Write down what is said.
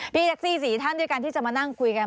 พี่แท็กซี่๔ท่านด้วยกันที่จะมานั่งคุยกัน